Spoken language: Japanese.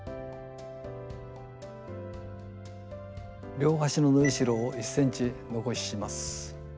両端の縫いしろを１ｃｍ残します。